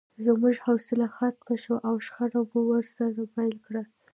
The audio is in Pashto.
زموږ حوصله ختمه شوه او شخړه مو ورسره پیل کړه